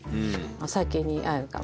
お酒に合うかも。